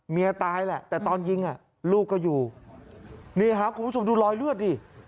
เมียตายแหละแต่ตอนยิงอ่ะลูกก็อยู่นี่ครับคุณผู้ชมดูรอยเลือดดิ